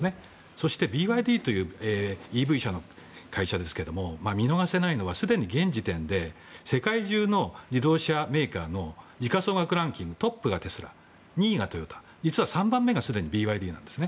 そしてＢＹＤというメーカーですが見逃せないのは、すでに現時点で世界中の自動車メーカーの時価総額ランキングトップがテスラ２位がトヨタ３番目がすでにＢＹＤです。